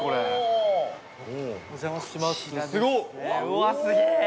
うわっすげえ！